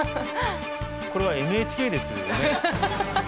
これはＮＨＫですよね？